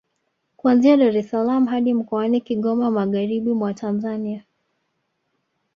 Kuanzia Dar es salaam hadi mkoani Kigoma magharibi mwa Tanzania